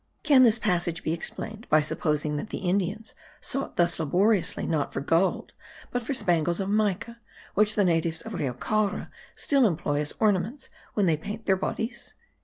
Can this passage be explained by supposing that the Indians sought thus laboriously, not for gold, but for spangles of mica, which the natives of Rio Caura still employ as ornaments, when they paint their bodies?)